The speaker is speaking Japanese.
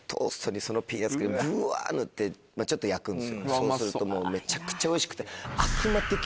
そうするともうめちゃくちゃおいしくて。